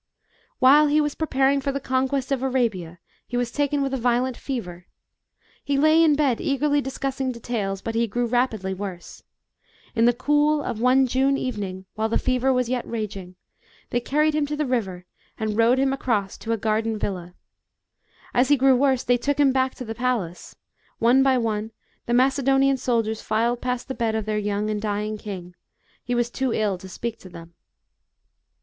While he was preparing for the conquest of B.C. 323.] DEATH OF ALEXANDER. 147 Arabia, he was taken with a violent fever ; he lay in bed eagerly discussing tletails, b u t h e grew rapidly worse. In the cool of one June evening, while the fever was yet raging, they carried him to the river and rowed him across to a garden villa. As he grew worse they took him back to the palace. One by one the Macedonian soldiers filed past the bed of their young and dying king ; he was too ill to speak to them.